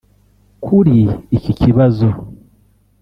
Kuri iki Kibazo